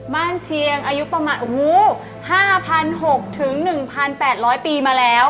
เชียงอายุประมาณ๕๖๐๐๑๘๐๐ปีมาแล้ว